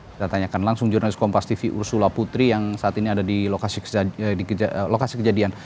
kita tanyakan langsung jurnalis kompas tv ursula putri yang saat ini ada di lokasi kejadian